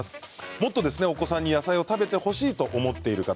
もっとお子さんに野菜を食べてほしいと思っている方